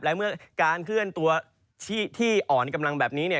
และเมื่อการเคลื่อนตัวที่อ่อนกำลังแบบนี้เนี่ย